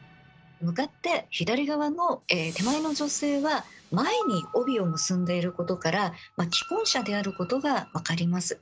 向かって左側の手前の女性は前に帯を結んでいることから既婚者であることが分かります。